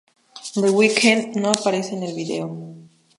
The Weeknd no aparece en el video.